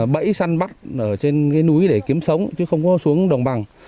bẫy săn bắt ở trên cái núi để kiếm sống chứ không có xuống đồng bằng